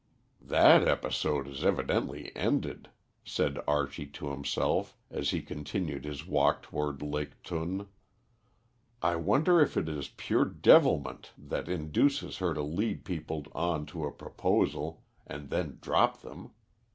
"That episode is evidently ended," said Archie to himself, as he continued his walk toward Lake Thun. "I wonder if it is pure devilment that induces her to lead people on to a proposal, and then drop them.